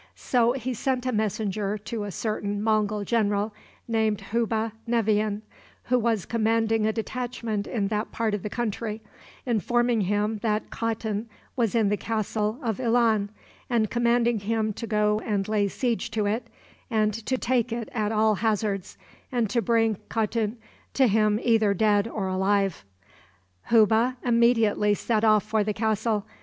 So he sent a messenger to a certain Mongul general named Hubbe Nevian, who was commanding a detachment in that part of the country, informing him that Khatun was in the castle of Ilan, and commanding him to go and lay siege to it, and to take it at all hazards, and to bring Khatun to him either dead or alive. Hubbe immediately set off for the castle.